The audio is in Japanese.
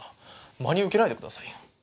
真に受けないでくださいよ。